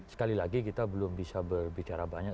sekali lagi kita belum bisa berbicara banyak